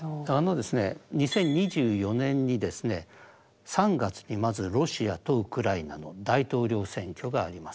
２０２４年に３月にまずロシアとウクライナの大統領選挙があります。